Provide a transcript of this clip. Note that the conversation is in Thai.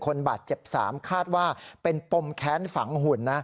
คนบาดเจ็บ๓คาดว่าเป็นปมแค้นฝังหุ่นนะ